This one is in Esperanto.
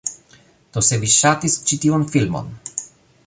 Do, se vi ŝatis ĉi tiun filmon